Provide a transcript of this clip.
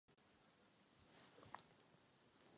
Je důležité, aby tyto činnosti byly koordinovány.